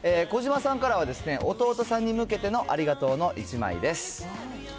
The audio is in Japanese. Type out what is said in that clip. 小島さんからは、弟さんに向けてのありがとうの１枚です。